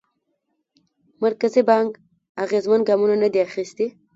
مرکزي بانک اغېزمن ګامونه ندي اخیستي.